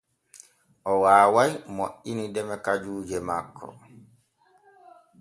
O waaway moƴƴini deme kajuuje makko.